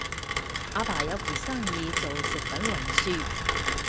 阿爸有盤生意做食品運輸